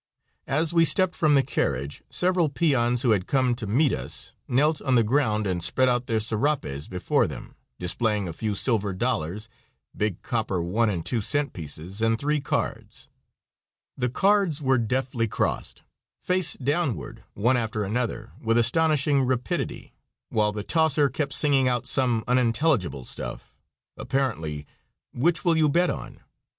As we stepped from the carriage several peons, who had come to meet us, knelt on the ground and spread out their serapes before them, displaying a few silver dollars, big copper one and two cent pieces and three cards; the cards were deftly crossed, face downward, one after another, with astonishing rapidity, while the "tosser" kept singing out some unintelligible stuff, apparently, "Which will you bet on?"